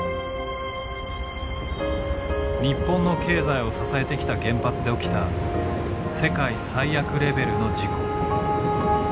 日本の経済を支えてきた原発で起きた世界最悪レベルの事故。